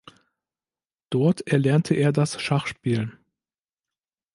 Dort erlernte er das Schachspiel.